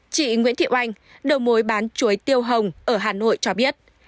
chị nguyễn thị oanh đầu mối bán chuối tiêu hồng ở hà nội cho biết